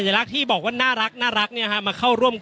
อย่างที่บอกไปว่าเรายังยึดในเรื่องของข้อ